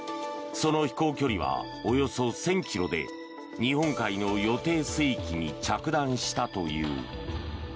その飛行距離はおよそ１０００ｋｍで日本海の予定水域に着弾したという。